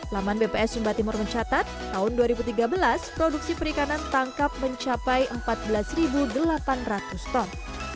laman bps sumba timur mencatat tahun dua ribu tiga belas produksi perikanan tangkap mencapai empat belas delapan ratus ton